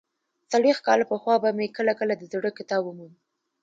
څلوېښت کاله پخوا به مې کله کله د زړه کتاب وموند.